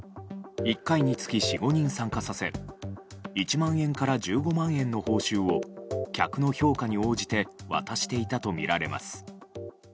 １回につき４５人参加させ１万円から１５万円の報酬を客の評価に応じて渡していたとみられます。